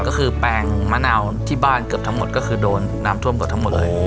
ก็คือแปลงมะนาวที่บ้านเกือบทั้งหมดก็คือโดนน้ำท่วมเกือบทั้งหมดเลย